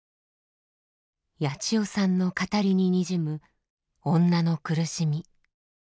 ヤチヨさんの語りににじむ女の苦しみ。